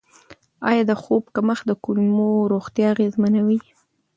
آیا د خوب کمښت د کولمو روغتیا اغېزمنوي؟